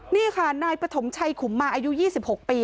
นี่ค่ะนายปฐมชัยขุมมาอายุยี่สิบหกปี